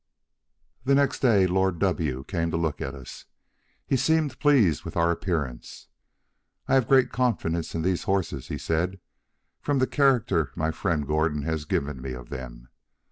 The next day Lord W came to look at us; he seemed pleased with our appearance. "I have great confidence in these horses," he said, "from the character my friend Gordon has given me of them.